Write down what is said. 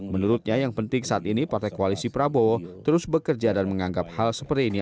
menurutnya yang penting saat ini partai koalisi prabowo terus bekerja dan menganggap hal seperti ini